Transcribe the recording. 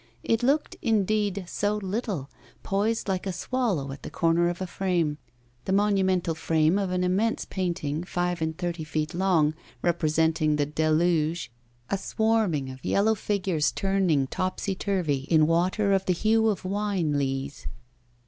It looked, indeed, so little, poised like a swallow at the corner of a frame the monumental frame of an immense painting five and thirty feet long, representing the Deluge, a swarming of yellow figures turning topsy turvy in water of the hue of wine lees.